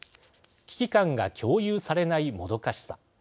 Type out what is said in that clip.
危機感が共有されないもどかしさ。